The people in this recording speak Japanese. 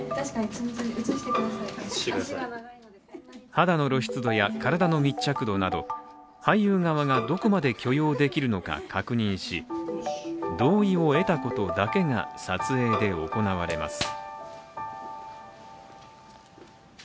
肌の露出度や体の密着度など俳優側がどこまで許容できるのか確認し同意を得たことだけが撮影で行われます。